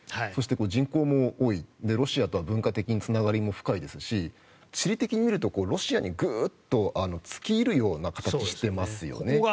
そして人口も多いロシアとは文化的につながりも深いですし地理的に見るとロシアにグッと突きいるような形をしてますよね。